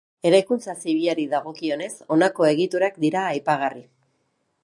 Eraikuntza zibilari dagokionez honako egiturak dira aipagarri.